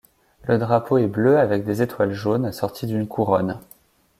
Le drapeau est bleu avec des étoiles jaunes, assorti d'une couronne.